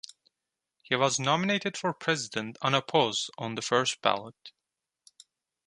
He was nominated for President unopposed on the first ballot.